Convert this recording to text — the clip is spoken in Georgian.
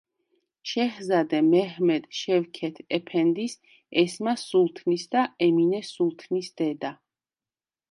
შეჰზადე მეჰმედ შევქეთ ეფენდის, ესმა სულთნის და ემინე სულთნის დედა.